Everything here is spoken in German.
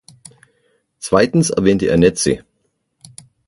Zweitens erwähnte er Netze.